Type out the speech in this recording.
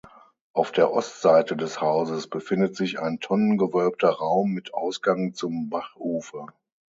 Auf der Ostseite des Hauses befindet sich ein tonnengewölbter Raum mit Ausgang zum Bachufer.